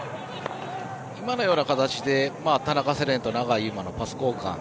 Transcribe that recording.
今のような形で田中世蓮と永井祐真のパス交換